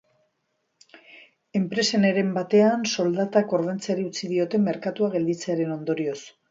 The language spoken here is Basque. Enpresen heren batean soldatak ordaintzeari utzi diote merkatua gelditzearen ondorioz.